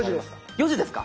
４時ですか！